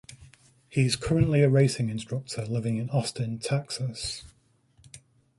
He is currently a racing instructor living in Austin, Texas.